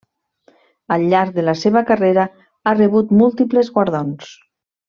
Al llarg de la seva carrera ha rebut múltiples guardons.